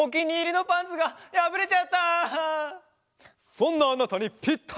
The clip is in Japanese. そんなあなたにピッタリの。